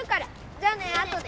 じゃあねあとで。